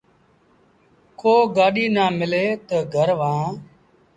ڪو گآڏيٚ نا ملي تا گھر وهآن۔